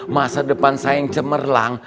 masa depan saya yang cemerlang